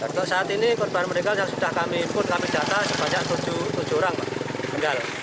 untuk saat ini korban meninggal yang sudah kami pun kami data sebanyak tujuh orang meninggal